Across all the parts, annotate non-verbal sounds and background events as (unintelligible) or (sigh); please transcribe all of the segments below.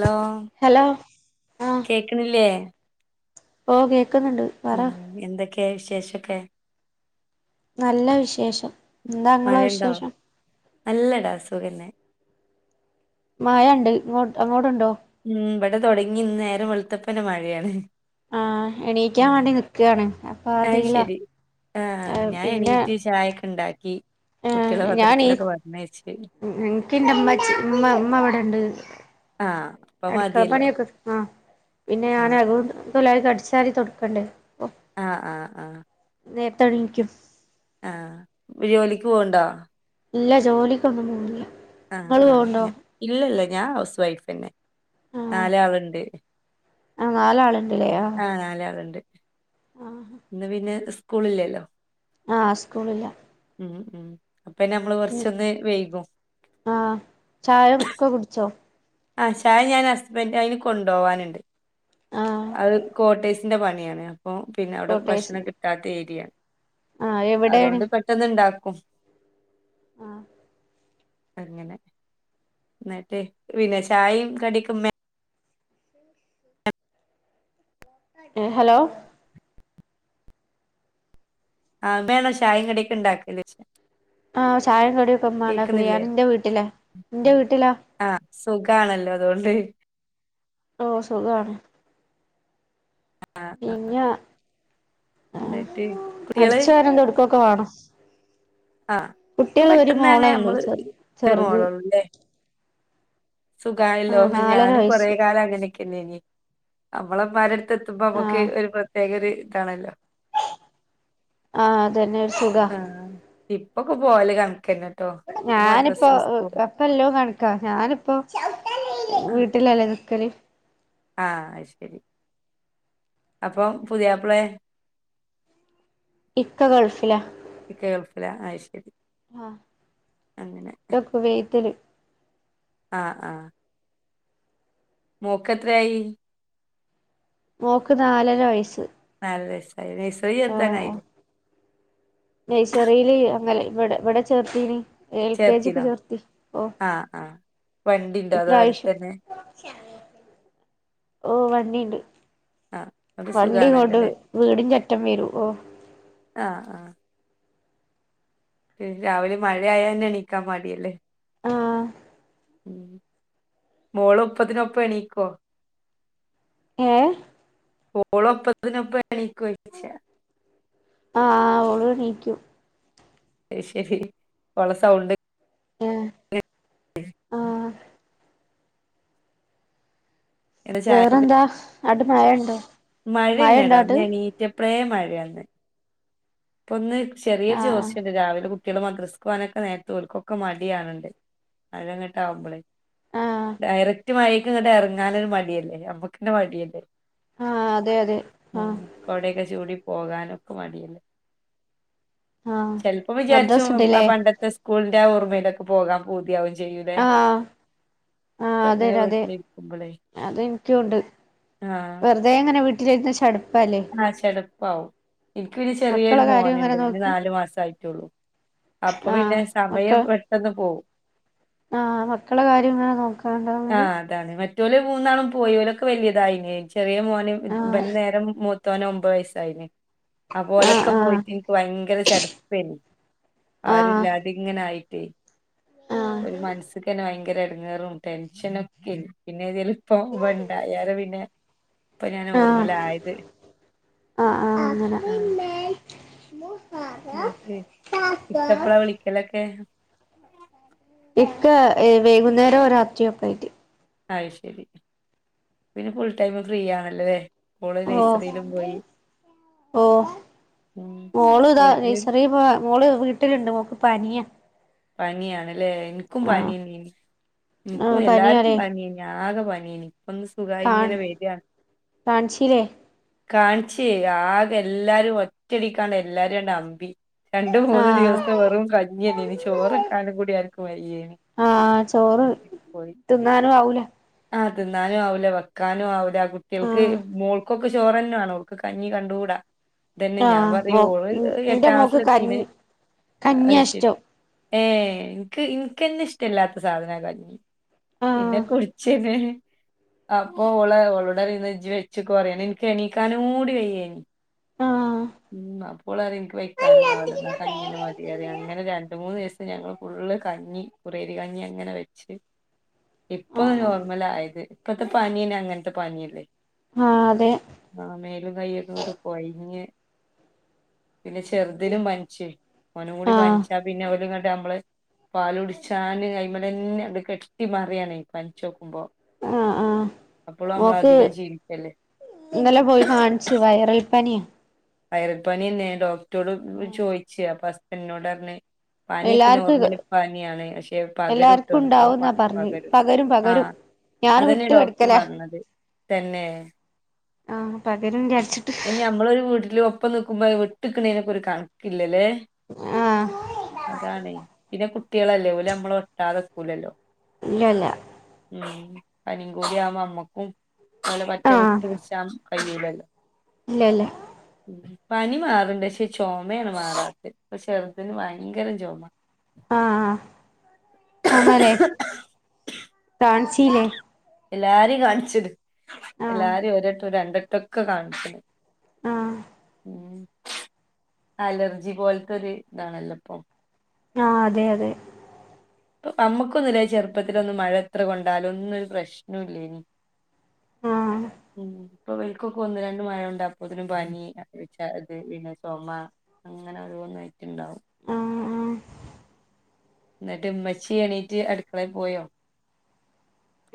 Law hello ആ കേക്ക്ണില്ലേ ഓ കേക്കുന്നുണ്ട് പറ ഉം എന്തൊക്കെ വിശേഷക്കെ നല്ല വിശേഷം എന്താ ഇങ്ങളെ മഴണ്ടോ വിശേഷം നല്ലടാ സുഖന്നെ മഴ ഉണ്ട് ഇങ്ങോട്ട് അങ്ങോട്ടുണ്ടോ ഉം ഇവിടെ തൊടങ്ങി ഇന്ന് നേരം വെളത്തപ്പന്നെ മഴയാണ് ആഹ് എണീക്കാൻ വേണ്ടി നിക്കാണ് അതീലാ അയ്ശരി ആഹ് ഏഹ് ഞാൻ എണീറ്റ് ചായൊക്കെ ഉണ്ടാക്കി കുട്ടികളെ ആഹ് ഞാണി മദ്രസയിലൊക്കെ പറഞ്ഞയച്ച് എൻക്ക് ന്റെ ഇമ്മച്ചി ഉമ്മ ഉമ്മ ഇവിടണ്ട് ആഹ് അപ്പൊ അടുക്കള മതിയല്ലോ പണിയൊക്ക ആ പിന്നെ ഞാന ആഹ് അതൊണ്ട് കൊലായി അടിച്ചാരി തൊട്ക്കണ്ടേ ആഹ് ആഹ് ആഹ് നേർത്തെണീക്കും ആഹ് ജോലിക്ക് പോവ്ണ്ടോ ഇല്ല ജോലിക്കൊന്നും പോണില്ല ആഹ് ഇങ്ങള് പോവ്ണ്ടോ ആഹ് ഇല്ലല്ല ഞാൻ ഹൗസ് വൈഫ്ന്നെ ആഹ് നാലാള്‌ണ്ട് ആഹ് നാലാള്ണ്ട്ല്ലയോ ആഹ് നാലാള്ണ്ട് ആഹ് ഇന്ന് പിന്നെ സ്കൂളില്ലല്ലോ ആഹ് സ്കൂളില്ല ഉം ഉം അപ്പ നമ്മള് ഉം കൊർച്ചൊന്ന് വൈകും ആഹ് ചായ ക്കെ കുടിച്ചോ ആ ചായ ഞാൻ ഹസ്ബൻന്റ് അയിന് കൊണ്ടോവാനുണ്ട് ആഹ് അത് കോട്ടേഴ്സ് ന്റെ പണിയാണ് അപ്പോ പിന്നെ അവിടെ കോട്ടേഴ്സ് ഭക്ഷണം കിട്ടാത്ത ഏരിയാ ആഹ് എവിടെയാണ് അതുകൊണ്ട് പെട്ട ട്ടന്ന്ണ്ടാക്കും ആഹ് അങ്ങനെ ന്നിട്ട് പിന്നെ ചായേം കടിക്കു മ്മ (inaudible) എ ഹലോ ആഹ് മ്മയാണോ ചായ കട്ടിംക്കെ ഇണ്ടാക്കലോയ്ച്ച ആഹ് ചായം കടിക്കെ മ്മ ണ്ടാക്കല് ഞാനിന്റെ വീട്ടിലെ ന്റെ വീട്ടിലാ ആഹ് സുഖാണല്ലോ അതോണ്ട് ഓ സുഖാണ് ആ ആ പിന്ന ങാ എന്നിട്ട് കുട്ടികള് അടിച്ചാരും തൊട്ക്കൊക്കെ വാണം ആ ഒക്കെ കുട്ട്യാള് ഒരു പെട്ടെന്ന് അങ്ങനെ മോളെയൊള്ളു നമ്മള് ചെർ ഒരു ചെറുത് മോളുള്ളൂ അല്ലേ സുഖായല്ലോ ആഹ് നാലര ഞാനും കൊറേ വയസ്സ് കാലം അങ്ങനെക്കന്നേ നമ്മള മ്മാരട് ത്തെ ത്തുമ്പോ മ്മക്ക് ആഹ് ഒരു പ്രത്യേക ഒരു ഇതാണല്ലോ ആഹ് അതന്നെ രു സുഖ ആഹ് ഇപ്പൊക്കെ പോവല് കൺക്കന്നെ ഞാനിപ്പോ ഉ അ ഇപല്ലൊ കണക്കാ ഞാനിപ്പോ ആഹ് വീട്ടിലല്ലേ നിക്കല് ആഹ് അയ് ശരി അപ്പം പുത്യാപ്പളെ? ഇക്ക ഗൾഫിലാ- ഇക്ക ഗൾഫില അയ് ശരി അങ്ങനെ- വീട്ടില്- ആഹ് ആഹ് മോക്ക്എത്രയായി? മോക്ക് നാലര വയസ്സ്. നാലര വയസ് നഴ്സറി ചേർത്താനായി നെയിസറിൽ വിടെ ഇവിടെ ചേർത്തീനി എൽ കെ ജിക്ക് ചേർത്തിനോ ചേർത്തി ഓ ആഹ് ആഹ് വണ്ടിണ്ടോ അതോ ഇപാവശ്യം- അടുത്തന്നെ ഓ വണ്ടിണ്ട്- ആഹ് അപ്പൊ വണ്ടി കൊണ്ട് സുഖാണല്ലോല്ലേ വീടിൻ്റെ അറ്റം വരും ഓഹ് ആഹ് ആഹ് രാവിലെ മഴയായ തന്നെ എണീക്കാൻ മടിയല്ലേ- ആഹ് ഉം മോള് ഒപ്പതിനൊപ്പം എണീക്കോ? ഏഹ് ഓള് ഒപ്പത്തിനോപ്പ എണീക്കോച്ച? ആഹ് ഓള്എനീകും. അത്ശരി ഓളസൗണ്ട് ആഹ് (inaudible) എന്താ വേറെന്താ അവിടെ മയ ഉണ്ടോ? മഴ ണ്ടടാ എണീറ്റപയെ മഴയന്ന് ഇപ്പൊ ഒന്ന് ചെറിയരു ആഹ് ചോർച്ചുണ്ട് രാവിലെ കുട്ടികള് മദ്രസ്കവാനൊക്കെ നേരത്തെ ഓൾകോക്കെ മടിയാണുണ്ട് മഴങ്ങിട്ടാകുമ്പോളേ ആഹ് ഡയറക്റ്റ് മഴക് ഇറങ്ങാനൊരു മടിയല്ലേ നമക്കണ്ണെ മടിയല്ലേ- ആഹ് അതെ അതെ ഉം ആഹ് കൊടയൊക്കെ ചൂടി പോകാനൊക്കെ മടിയല്ലേ? ആഹ് ചിലപ്പോം വിചാരിച്ചു മദ്രസ്ണ്ട്ല്ലേ ആഹ് പണ്ടത്തെ സ്കൂളിന്റെ ആഹ് ഓർമ്മയിലൊക്കെ പോകാൻ പൂതിയാവും ചെയ്യുലെ? ആഹ് ഇപ്പ ആഹ് അതെ എങ്ങനെ അതെ വീട്ടിലിരിക്കുമ്പോളേ അതെനിക്കുണ്ട് ആഹ് വെറുതെ ഇങ്ങനെ വീട്ടിൽ ഇരുന്ന് ചട ആഹ് ചെലപ്പാവും എനിക്ക് പിന്നെ മക്കളെ ചെറിയൊരു കാര്യം ഇങ്ങനെ മോനുണ്ട് അവന് നോക്കി നാല് മാസായിട്ടുള്ളു- അപ്പൊ ആഹ് പിന്നെ സമയം മക്കൾ പെട്ടെന്ന് പോവും. ആഹ് മക്കളുടെ കാര്യം ഇങ്ങനെ നോക്കാം ആഹ് അതാണ് മറ്റോല് മൂന്നാളും പോയി ഓലക്കെ വല്യധയില്ലെ ചെറിയ മോന് ആഹ് ഇവൻ്റെ നേരെ മൂത്തോന് ഒമ്പത് വയസ്സായിന് അപോലൊക്കെ ആഹ് പോയിട്ട് ഭയങ്കര ചടപെനി ആഹ് ആഹ് ആരുല്ലാതിങ്ങനൊയിട്ടേ ആഹ് ഒരു മനസ്‌കാന്നെ ഭയങ്കര ഇടങ്ങേറും ടെൻഷനൊക്കെ- പിന്നെ ഇതിലിപ്പോണ്ടായാലോ പിന്നെ ഇപ്പൊ ഞാൻ ആഹ് നോർമ്മലായത് ആഹ് ആഹ് അങ്ങനെ ആഹ് ഇക്കപ്പളാ വിളിക്കലൊക്കെ? ഇക്ക വൈകുന്നേരോ രാത്രിയോ ഒക്കെ ആയിട്ട്. അത് ശരി പിന്നെ ഫുൾ ടൈം ഫ്രീ ആണല്ലോ ലെ? ഓഹ് ഓഹ് ഉം മോള് ഇതാ വീട്ടില് നസറി പോ മോള് വീട്ടിലുണ്ട് ഓക്ക് പനിയ- പനിയണല്ലേ എനിക്കും ആഹ് പനിയാ എനിക്കും ആഹ് എല്ലാർക്കും പനിയാലേ പനിയേന് ആകെ പനിയേനി ഇപ്പൊന്ന് സുഖമായി ഇങ്ങനെ വരിയാണ് കാണിച്ചിലെ? കാണിച്ചേ ആകെ എല്ലാരും ഒറ്റടിക്കാണ്ട എല്ലാരു അമ്പി രണ്ട് മൂന്ന് ആഹ് ദിവസം വെറും കഞ്ഞിനെന്നിം ചോർവെക്കാനും കൂടി ആർക്ക് വയ്യേനി ആഹ് ചോറ് തിന്നാനും ആവൂല ആഹ് തിന്നാനും ആവില്ല വെക്കാനും ആവില്ല ആ കുട്ടികൾക്ക് ആഹ് മോൾക്കൊക്കെ ചോറന്നെ വേണം കഞ്ഞി കണ്ടൂടാ ട്ടെ തന്നെ ഞാൻ ആഹ് പറയും മോ ഓള് ന്റെ മോക്ക് എട്ടാംക്ലാസിൽ എത്തീൻ കഞ്ഞി അത് കഞ്ഞിയാ ശരി ഇഷ്ടം ഏ ഇൻക്ക് ഇൻക്കന്നെ ഇഷ്ടല്ലാത്ത സാധനാ കഞ്ഞി ആഹ് തന്നെ അപ്പൊ ഓള ഒളോടറിയും ഇന്നാ വെച്ചുക്കൊറിയും എനിക്ക് എണീക്കാനും കൂടി വയ്യേനി ആഹ് ഉം അപോളറിം ഇൻക്ക് വ ക്കാനൊന്നും ആവൂല കഞ്ഞി എന്നെ മതിയറിം അങ്ങനെ രണ്ട് മൂന്ന് ദിവസം ഞങ്ങൾ ഫുള്ള് കഞ്ഞി കുറേരി കഞ്ഞി അങ്ങനെ വെച്ച് ഇപ്പൊ ആഹ് നോർമൽ ആയത് ഇപ്പത്തെ പനീനെ അങ്ങനത്തെ പനിയല്ലേ ആഹ് അതെ ആ മേലും കയ്യൊക്കെ ഇങ്ങോട്ട് കൊയിഞ്ഞ് പിന്നെ ചെറുതിനിനും പന്ച്ച് ഓനും കൂടി ആഹ് പനിച്ചാ പിന്നെ ഓൽങ്ങട്ട നമ്മളെ പാല് കുടിച്ചാന് അയ്മലന്നെ അട് കെട്ടി മാറിയാണ് പനിച്ചോക്കുമ്പോ ആഹ് ആഹ് അപ്പോൾ നമ്മള മോക്ക് അധികം ക്ഷീണ്ടിക്കല്ലേ ഇന്നലെ പോയി കാണിച്ചു വയറൽപ്പനിയ വയറൽ പനി എന്നേ ഡോക്ടറോട് ചോദിച്ചു അപ്പൊ ഹസ്റ്റൻിനോട് പറഞ്ഞു പാനിയൊക്കെ എല്ലാർക്കും ഇത് നോർമൽ പാനിയാണ് പക്ഷെ പകരും ഇട്ടോ എല്ലാർക്കും നല്ലോ ഉണ്ടാവുന്നാ പ പറഞ്ഞ് പകരും ആ പകരും ഞാൻ അതന്നെ വിട്ട് ഡോക്ടർ കെടക്കലാ പറഞ്ഞത് തന്നെ ആഹ് പകരും വിചാരിച്ചിട്ട് ഇനി ഞമ്മളൊരു വീട്ടില് ഒപ്പം നിൽക്കുമ്പോ വെട്ടിക്ക്ണതിന ഒക്കെ ഒരു കണക്കില്ലല്ലേ ആഹ് അതാണ് പിന്നെ കുട്ടികളല്ലേ നമ്മൾ ഒട്ടാതെകൂലല്ലോ ഇല്ലല്ലാ ഉം പനിയും കൂടി ആവോ അമ്മക്കും ഒലെ പറ്റ വിട്ട് പിടിച്ച കയ്യൂലല്ലോ ഇല്ല ഇല്ല പനി മാറ്ണ്ട് പക്ഷെ ചുമയാണ് മാറാത്ത ഇപ്പ ചെറുതിന് ഭയങ്കര ചുമ ആഹ് ചുമലേ കാൺച്ചീലേ എല്ലാരിം കാണിച്ചിണ് ആഹ് എല്ലാരും ഒരട്ടം രണ്ടട്ടൊക്കെ കാണിച്ചിണ് ആഹ് അലർജി പോൽത്തൊരു ഇതാണല്ലോ ഇപ്പൊ ആ അതെ അതെ ഇപ്പൊ നമ്മുക്കൊന്നും ലെ ചെറുപ്പത്തിത്തിലൊന്നും മഴ എത്ര കൊണ്ടാലും ഒന്നും ഒരു പ്രശ്നം ഇല്ലേയ്നി ആഹ് ഉം ഇപ്പൊ വെൽക്കൊക്കെ ഒന്ന് രണ്ട് മഴകൊണ്ട അപ്പതിനും പനിച്ച അത് പിന്നെ ചുമ അങ്ങനെ ഒരോന്നായിട്ടുണ്ടാവും ആഹ് ആഹ് ന്നട്ട് ഉമ്മച്ചി എണീറ്റ് അടുക്കളയിൽ പോയോ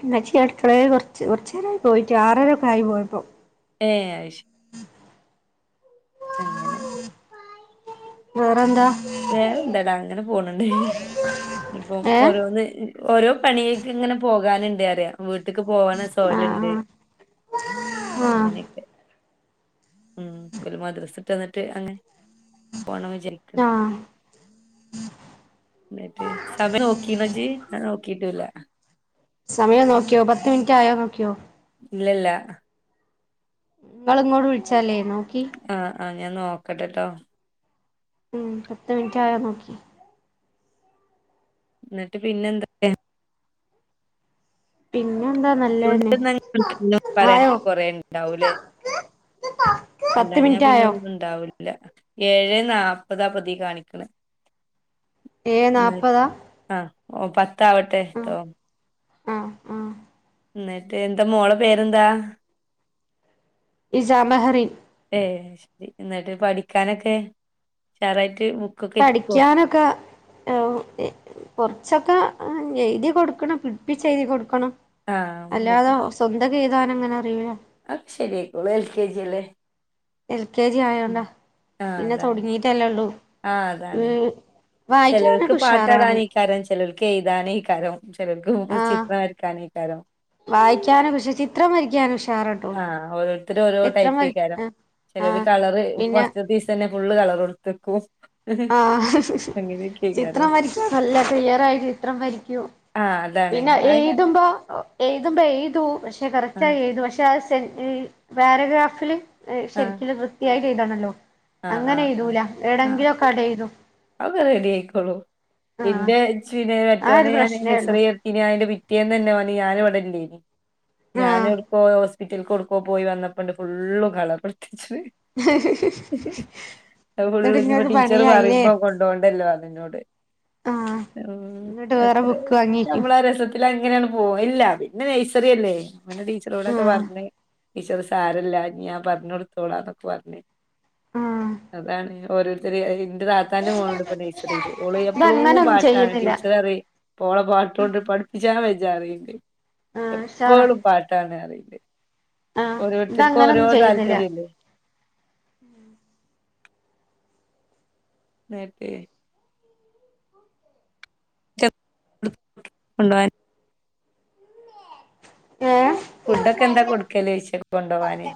ഇമ്മച്ചി അടുക്കള കുറച്ച് കുറച്ച നേരായി പോയിട്ട് ആറര ഒക്കെ ആയി പോയപ്പോ ഏ അയ് ശരി അങ്ങനെ വേറെന്താ വേറെ എന്തടാ അങ്ങനെ പോണണ്ട് ഇപ്പം ഏഹ് ഓരോന്ന് ഓരോ പണിയേക്ക് ഇങ്ങനെ പോകാനുണ്ട് അറിയാം വീട്ട്ക്ക് പോകാന സൊയലുണ്ട് ആഹ് ആഹ് ആഹ് അങ്ങനെയൊക്കെ ഉം ഓല് മദ്രസ്ട്ട വന്നിട്ട് അങ്ങനെ പോണം വിചാരിക്ക്ണ്ട് ആഹ് എന്നിട്ട് സമയം നോക്കീണജി ഞാൻ നോക്കിട്ടുല്ല സമയം നോക്കിയോ പത്ത് മിനിറ്റ് ആയോ നോക്കിയോ ഇല്ലല്ല നിങ്ങള് ഇങ്ങോട്ട് വിളിച്ചാലേ നോക്കി ആഹ് ആഹ് ഞാൻ നോക്കട്ടെട്ടോ ഉം പത്ത് മിൻറ്റായ നോക്കി ന്നിട്ട് പിന്നെ എന്തൊക്കെ പിന്നെ എന്താ ചുണ്ട നല്ലതന്നെ ഞന്നും പറയാന് ആയോ കുറെേുണ്ടാവൂലേ അല്ല പത്ത് ഞാ മിനിറ്റ് പിന്നെ ആയോ ഒന്നും ഉണ്ടാവില്ല ഇല്ല ഏഴ് നാല്പ്പതാം പതി കാണിക്കണ ഏഴ നാൽപ്പത് ആ ഓ പത്താവട്ടെട്ടോ ആഹ് ആഹ് ന്നട്ട് എന്താ മോളെ പേരെന്താ? ഇസാ മഹറിൻ. ഏ ശരി എന്നിട്ട് പഠിക്കാനൊക്കെ ഉഷാറായിട്ട് ബുക്കൊക്കെ എടുക്കോ പഠിക്കാനൊക്കെ കൊറച്ചൊക്കെ എഴുതി കൊടുക്കണം പിടിപ്പിച്ച് എഴുതി കൊടുക്കണം. ആഹ് അല്ലാതോ സ്വന്തക് എയ്താനങ്ങനെ അറിയൂല. അത് ശെരിയാക്കോളും എൽ കെ ജി അല്ലേ. എൽ കെ ജി ഉം ആയോണ്ടാ ആഹ് പിന്നെ അതാണ് തൊടങ്ങീട്ടല്ലേ ഉള്ളു ചേലോൽക്ക് പാട്ടാടാനി ക്കാരം ചെലോൽക്ക് എയ്താനയ്ക്കാരം ചേലോൽക്ക് ചിത്രംവരക്കാനേയ്ക്കാരം വായിക്കാന് പക്ഷെ ചിത്രം വരക്കാന് ഉഷാറാണ്. ആഹ് ഓരോര്ത്തര് ഓരോ ടൈപ്പയ്ക്കാരം ആഹ് ചെലോര് ആഹ് കളർ പിന്നെ ഫസ്റ്റത്തീസം തന്നെ ഫുള്ള് കളർ കൊടുത്തക്കും. ആഹ് ചിത്രം വരയ്ക്കും നല്ല ക്ലിയറായി ചിത്രം വരയ്ക്കും. ആഹ് അതാണ് പിന്നെ അയിന് എയ്ത്ബോ എയ്തുമ്പോ എയ്തൂ പക്ഷെ കറക്‌റ്റായി ആഹ് എഴുതു പക്ഷെ ആ സെ പാരഗ്രാഫില് ഏഹ് ആഹ് ശരിക്കിനും വൃത്തിയായിട്ട് എയ്തണല്ലോ ആഹ് അങ്ങനെ ആഹ് എയ്തൂല ഏടെങ്കിലുംക്കെണ്ട് എയ്തും. അത് റെഡി ആയിക്കോളും ഇന്റെ ഇച്ച് ലേ ആ ഒരു മറ്റോനെ ഞാന് പ്രശ്നേ ഉള്ളു നയ്സറി ഇനി അതിന്റെ പിറ്റേന്ന് തന്നെ ഓന് ഞാൻ ഇവിടല്ലേനി ആഹ് ഞാന് ഹോ ഹോസ്പിറ്റൽക്കൊട്ക്കോ പോയി വന്നപ്പണ്ട് ഫുള്ളും കളറൊടുത്തിച്ച്ണ്. അത് എന്നിട്ട് ഫുള്ള് ഇഞ്പ്പം ഇങ്ങക്ക് ടീച്ചറ് പണിയായില്ലേ പറയുബം കൊണ്ടോണ്ടല്ലോ ർഞ്ഞുന്നോട് ആഹ് ഉം എന്നിട്ട് വേറെ എക്കരു ബുക്ക് വാങ്ങിക്കും നമ്മളാരെസത് ഇൽ അങ്ങനെയാണ്ട് പോവും ഇല്ല പിന്നെ നഴ്സറിയല്ലേ അപ്പോ പിന്നെ ടീച്ചറോടൊക്കെ ആഹ് പറഞ് ടീച്ചർ സാരല്ല ഇഞ് ഞാൻ പറഞടുത്തോളാംന്നൊക്കെ പറഞ് ആഹ് അതാണ് ഓരോരുത്തര് ഇന്റെ താത്താന്റെ മോള്ണ്ട് ഇപ്പോ നഴ്സറിയില് ഓള് എപ്പളൂ ഇതങ്ങനൊന്നും പാട്ടാണ് ചെയ്യുന്നില്ല ടീച്ചർറി ഇപ്പോ ഓളെ പാട്ടോണ്ട് പഠിപ്പിച്ചാ വെജ്ജാറിണ്ട്. ആഹ് ഉഷാറാ എപ്പളും പാട്ടാണ്റിണ്ട്. ആഹ് ഓരോരുത്തര്ക്ക്‌ ഓരോ ഇതങ്ങനൊന്നും താല്പര്യല്ലേ. ഉം ന്നിട്ടേയ് (unintelligible) കൊണ്ടോവാൻ ഏ ഫുഡൊക്കെ എന്താ കൊടുക്കല് ചോയിച്ച കൊണ്ടോവാന്.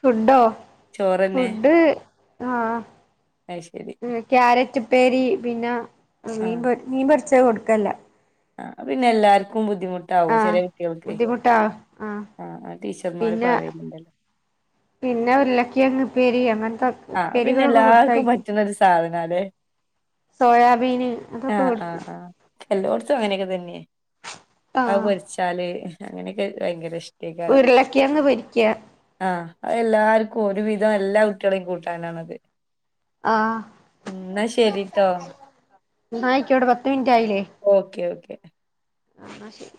ഫുഡോ ചോറന്നെ ഫുഡ്‌ ആഹ് അത് ശരി. ക്യാരറ്റ്പ്പേരി പിന്നെ മീൻ ആഹ് മീൻപൊരിച്ചത് കൊട്ക്കൽല്ല. ആഹ് അത് പിന്നെ എല്ലാർക്കും ബുദ്ധിമുട്ടാവും ആഹ് ചെല കുട്ടിൾക്കെ ആഹ് ബുദ്ധിമുട്ടാ ആ പിന്നെ പറയുന്നുണ്ടല്ലോ പിന്നെ ഉർളകേങ്ങ്പ്പേരി അങ്ങന് ത്ത ആ അത് പിന്നെ എല്ലാർക്കും പറ്റുന്നരു സാധനാലേ സോയാബീന് അതൊക്കെ കൊടുക്കും. എല്ലോട്ത്തും അങ്ങനെയൊക്കെ തന്നെ അത് ആഹ് പൊരിച്ചാല് അങ്ങനെയൊക്കെ ഭയങ്കര ഇഷ് ഉരുളക്കിയങ് പൊരിക്ക ആഹ് അത് എല്ലാർക്കും ഒരു വിധം എല്ലാ കുട്ടികളെയും കൂട്ടാനാണത്. ആഹ് ഉം ന്നാ ശരിട്ടോ. ന്നാ അയിക്കോട്ടേ പത്ത് മിനിറ്റ് ആയിലേ. Okay okay. ആ ന്നാ ശരി.